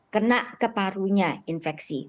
kena ke parunya infeksi